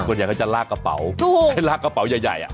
คนใหญ่ก็จะลากกระเป๋าลากกระเป๋าใหญ่อะ